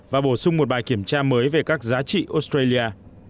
và bổ sung một bài kiểm tra mới về các giá trị australia